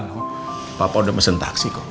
bukan papa udah mesen taksi kok